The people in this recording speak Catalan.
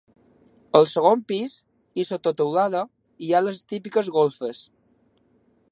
Al segon pis, i sota teulada, hi ha les típiques golfes.